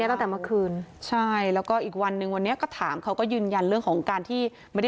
ผมว่าไม่น่าเกี่ยว